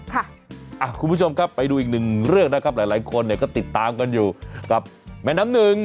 คุณผู้ชมครับไปดูอีกหนึ่งเรื่องนะครับหลายคนเนี่ยก็ติดตามกันอยู่กับแม่น้ำหนึ่ง